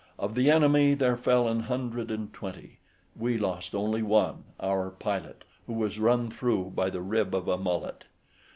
Of the enemy there fell an hundred and twenty; we lost only one, our pilot, who was run through by the rib of a mullet.